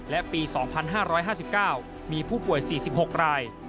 และปี๒๕๕๙มีผู้ป่วย๔๖ราย